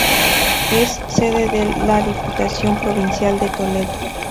Es sede de la Diputación Provincial de Toledo.